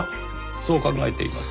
そう考えています。